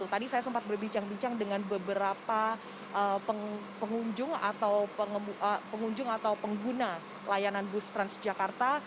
tadi saya sempat berbincang bincang dengan beberapa pengunjung atau pengunjung atau pengguna layanan bus transjakarta